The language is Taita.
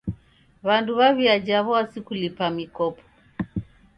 W'andu w'aw'iaja w'asi kulipa mikopo.